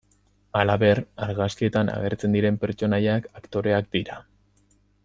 Halaber, argazkietan agertzen diren pertsonaiak aktoreak dira.